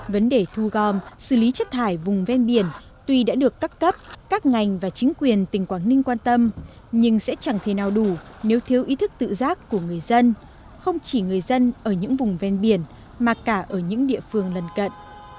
vấn đề thu gom xử lý chất thải vùng ven biển tuy đã được các cấp các ngành và chính quyền tỉnh quảng ninh quan tâm nhưng sẽ chẳng thể nào đủ nếu thiếu ý thức tự giác của người dân không chỉ người dân ở những vùng ven biển mà cả ở những địa phương lân cận